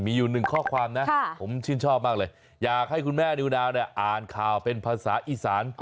มีอยู่หนึ่งข้อความนะผมชื่นชอบมากเลยอยากให้คุณแม่นิวนาวเนี่ยอ่านข่าวเป็นภาษาอีสาน